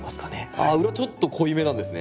あっ裏ちょっと濃いめなんですね。